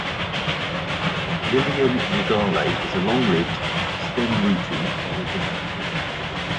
"Lilium regale" is a long-lived, stem-rooting bulbous plant.